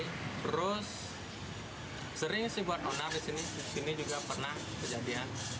terus sering sih buat onar di sini juga pernah kejadian